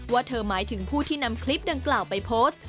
ว่าเธอหมายถึงผู้ที่นำคลิปดังกล่าวไปโพสต์